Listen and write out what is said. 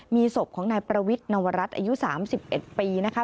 มีศพของนายประวิทย์นวรัฐอายุ๓๑ปีนะคะ